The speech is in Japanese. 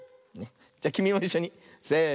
じゃきみもいっしょにせの。